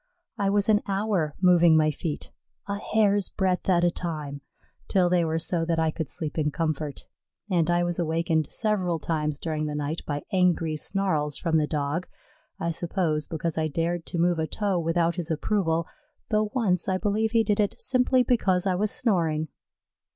I was an hour moving my feet a hair's breadth at a time till they were so that I could sleep in comfort; and I was awakened several times during the night by angry snarls from the Dog I suppose because I dared to move a toe without his approval, though once I believe he did it simply because I was snoring.